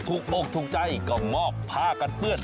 ถูกอกถูกใจก็มอบพากับเพื่อน